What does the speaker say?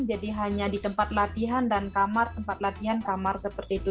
jadi hanya di tempat latihan dan kamar tempat latihan kamar seperti itu